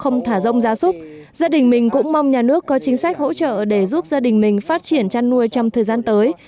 không thả rông gia súc gia đình mình cũng mong nhà nước có chính sách hỗ trợ để giúp gia đình mình phát triển chăn nuôi trong thời gian tới